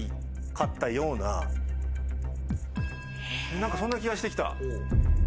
何かそんな気がして来た。